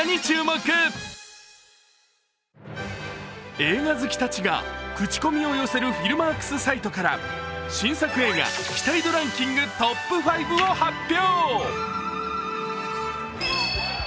映画好きたちが口コミを寄せるフィルマークスサイトから新作映画期待度ランキングトップ５を発表。